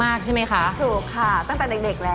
อ้าวพี่เอ๋สวัสดีค่ะ